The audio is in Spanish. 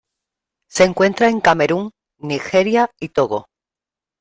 Se encuentra en Camerún, Nigeria y Togo.